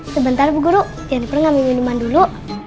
sebentar guru jennifer ngambil minuman dulu